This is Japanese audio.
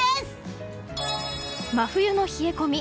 真冬の冷え込み。